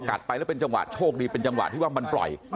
ไปแล้วเป็นจังหวะโชคดีเป็นจังหวะที่ว่ามันปล่อย